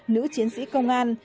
nữ chiến sĩ công an